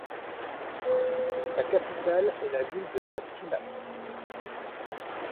Sa capitale est la ville de Las Tunas.